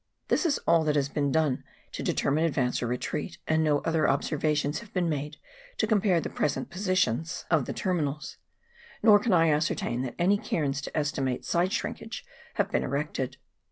This is all that has been done here to determine advance or retreat, and no other observations have been made to compare the present positions GLACIER OBSERVATION. 305 of the terminals, nor can I ascertain that any cairns to estimate side shrinkage have been erected.